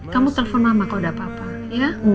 kamu telepon mama kalau ada apa apa ya